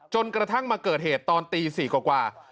จนกระทั่งมาเกิดเหตุตอนตี๔กว่า